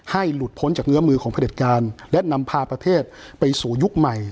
หลุดพ้นจากเงื้อมือของพระเด็จการและนำพาประเทศไปสู่ยุคใหม่